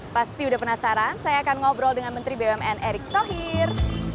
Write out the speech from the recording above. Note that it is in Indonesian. pasti udah penasaran saya akan ngobrol dengan menteri bumn erick thohir